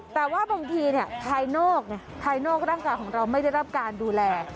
แต่ว่าบางทีไทโนกร่างกายของเราไม่ได้รับการดูแล